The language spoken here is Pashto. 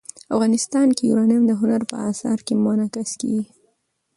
افغانستان کې یورانیم د هنر په اثار کې منعکس کېږي.